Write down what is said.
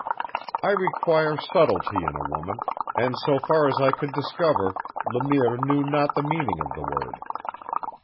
I require subtlety in a woman, and so far as I could discover Le Mire knew not the meaning of the word.